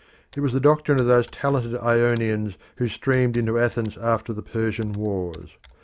It was the doctrine of those talented Ionians who streamed into Athens after the Persian wars.